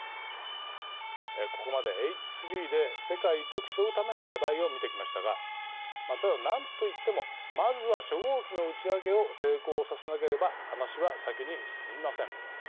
ここまで、Ｈ３で世界と競うための課題を見てきましたがただ何と言ってもまずは初号機の打ち上げを成功させなければ話は先に進みません。